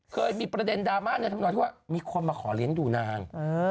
เคยมีประเด็นดราม่าที่ว่ามีคนมาขอเลี้ยงดูนาง